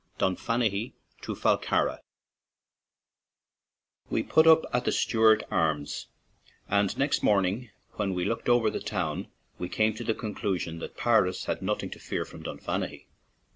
DUNFANAGHY TO FALLCARRAGH We put up at the Stewart Arms, and next morning when we looked over the town we came to the conclusion that Paris had nothing to fear from Dunfanaghy.